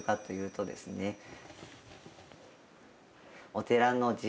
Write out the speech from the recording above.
お寺のえ！